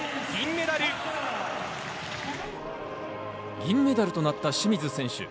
銀メダルとなった清水選手。